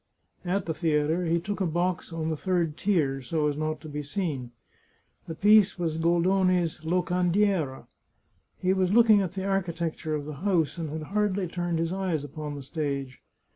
At the theatre he took a box on the third tier, so as not to be seen. The piece was Goldoni's " Locandiera." He was looking at the architecture of the house, and had hardly turned his eyes upon the stage.